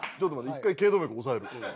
一回頸動脈押さえる。